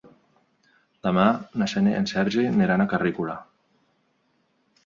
Demà na Xènia i en Sergi aniran a Carrícola.